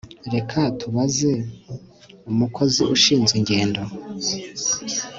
reka tubaze umukozi ushinzwe ingendo